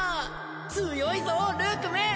強いぞルークメン！